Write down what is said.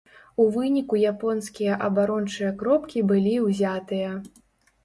У выніку японскія абарончыя кропкі былі ўзятыя.